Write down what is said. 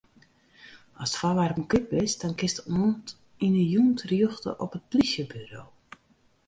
Ast foarwerpen kwyt bist, dan kinst oant yn 'e jûn terjochte op it plysjeburo.